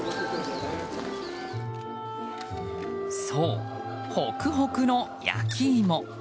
そう、ホクホクの焼き芋。